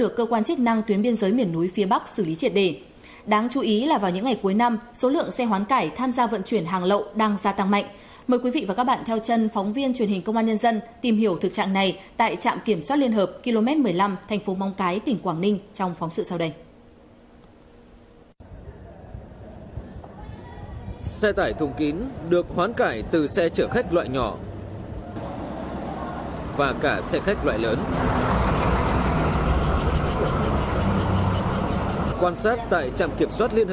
các bạn hãy đăng ký kênh để ủng hộ kênh của chúng mình nhé